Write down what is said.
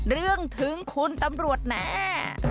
เรื่องถึงคุณตำรวจแนะ